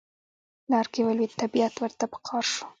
لار کې ولوید طبیعت ورته په قار شو.